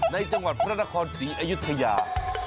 ในจังหวัดพระนครศรีอยุธยา